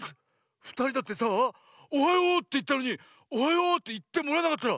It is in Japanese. ふたりだってさあ「おはよう」っていったのに「おはよう」っていってもらえなかったらこんなさみしいことってないよね？